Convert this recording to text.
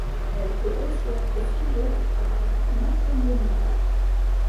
Elle peut aussi être sujette à un accommodement.